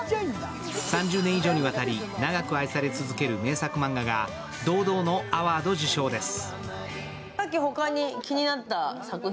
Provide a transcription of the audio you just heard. ３０年以上にわたり長く愛され続ける名作マンガが堂々のアワード受賞です。